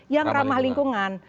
yang ramah lingkungan